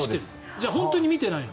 じゃあ本当に見てないの？